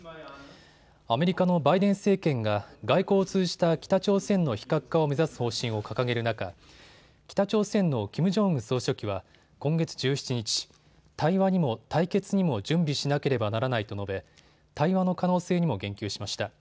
アメリカのバイデン政権が外交を通じた北朝鮮の非核化を目指す方針を掲げる中、北朝鮮のキム・ジョンウン総書記は今月１７日、対話にも対決にも準備しなければならないと述べ、対話の可能性にも言及しました。